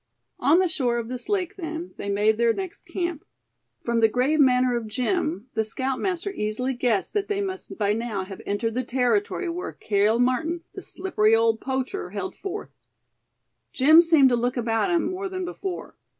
On the shore of this lake then, they made their next camp. From the grave manner of Jim, the scoutmaster easily guessed that they must by now have entered the territory where Cale Martin, the slippery old poacher, held forth. Jim seemed to look about him more than before.